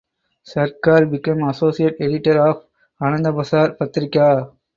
Sarkar became associate editor of Anandabazar Patrika.